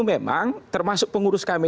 memang termasuk pengurus kami